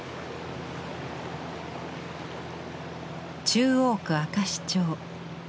中央区明石町。